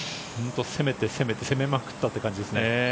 攻めて攻めて攻めまくったという感じですね。